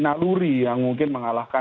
naluri yang mungkin mengalahkan